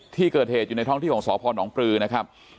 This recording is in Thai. ที่เกิดเหตุอยู่ในท้องที่ของสพนปลือนะครับ